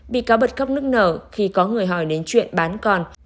bị cáo bật khóc nức nở khi có người hỏi đến chuyện bán con